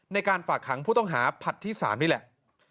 ในการฝากขังผู้ต้องหาผัดที่๓นี่แหละ